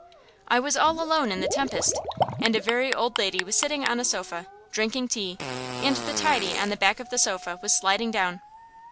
I was all alone in the tempest, and a very old lady was sitting on a sofa, drinking tea; and the tidy on the back of the sofa was sliding down.